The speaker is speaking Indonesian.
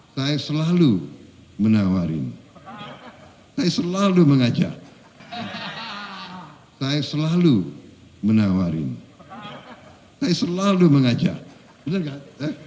saya selalu menawarin saya selalu mengajak saya selalu menawarin saya selalu mengajak bener gak